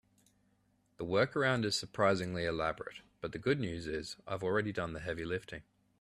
The workaround is surprisingly elaborate, but the good news is I've already done the heavy lifting.